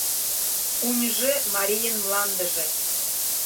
Уньжы марийын мландыже